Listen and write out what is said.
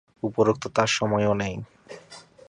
উপরন্তু তাঁর সময়ও নেই।